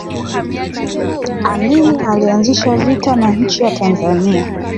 amin alianzisha vita na nchi ya tanzania